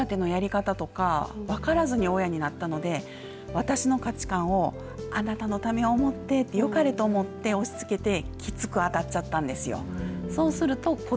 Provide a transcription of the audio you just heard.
子育てのやり方とか分からずに親になったので私の価値観をあなたのためを思ってとよかれと思って、押し付けてきつく当たっちゃったんですよ。